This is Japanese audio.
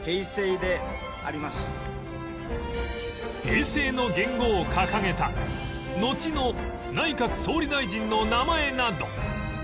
平成の元号を掲げたのちの内閣総理大臣の名前など